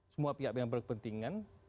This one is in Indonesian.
semua pihak yang berpentingan